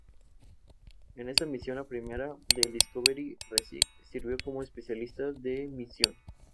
Estas aguas disuelven minerales de las rocas a su paso, entre ellos, el calcio.